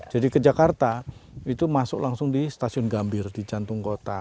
jadi ke jakarta itu masuk langsung di stasiun gambir di jantung kota